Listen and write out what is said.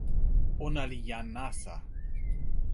ona li jan nasa.